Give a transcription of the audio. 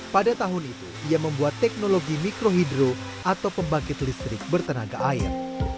pada tahun itu ia membuat teknologi mikrohidro atau pembangkit listrik bertenaga air